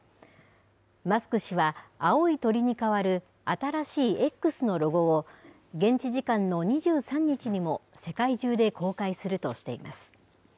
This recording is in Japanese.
マスク氏は、青い鳥に代わる新しいＸのロゴを、現地時間の２３日にも世界中で公開するとしています。